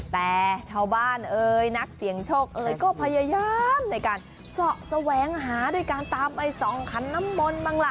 แต่ชาวบ้านเอ่ยนักเสี่ยงโชคเอ๋ยก็พยายามในการเสาะแสวงหาด้วยการตามไปส่องขันน้ำมนต์บ้างล่ะ